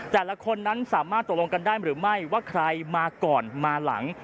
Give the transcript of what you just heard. แต่ละคนนั้นสามารถตกลงกันได้หรือไม่ว่าใครมาก่อนมาหลัง